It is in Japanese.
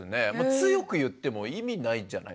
強く言っても意味ないじゃないですか。